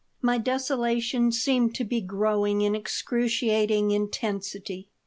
My desolation seemed to be growing in excruciating intensity.